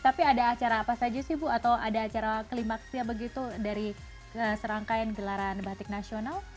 tapi ada acara apa saja sih bu atau ada acara klimaksia begitu dari serangkaian gelaran batik nasional